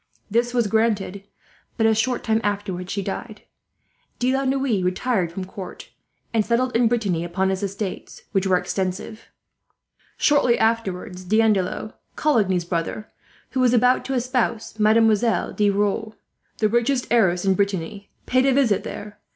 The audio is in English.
This was granted, but a short time afterwards she died. De La Noue retired from court, and settled in Brittany upon his estates, which were extensive. "Shortly afterwards D'Andelot, Coligny's brother, who was about to espouse Mademoiselle De Rieux, the richest heiress in Brittany, paid a visit there.